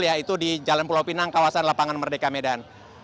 yaitu di jalan pulau pinang kawasan lapangan merdeka medan